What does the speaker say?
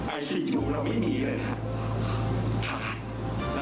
ไอซีจุเราไม่มีเลยค่ะขาย